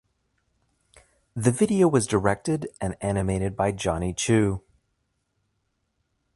The video was directed and animated by Johnny Chew.